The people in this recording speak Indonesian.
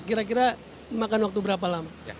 kira kira makan waktu berapa lama